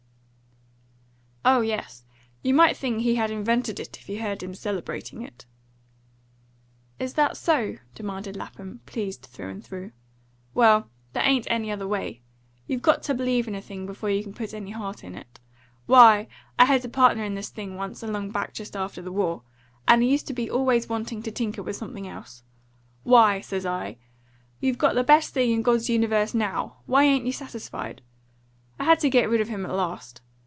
"Oh yes. You might think he had invented it, if you heard him celebrating it." "Is that so?" demanded Lapham, pleased through and through. "Well, there ain't any other way. You've got to believe in a thing before you can put any heart in it. Why, I had a partner in this thing once, along back just after the war, and he used to be always wanting to tinker with something else. 'Why,' says I, 'you've got the best thing in God's universe now. Why ain't you satisfied?' I had to get rid of him at last.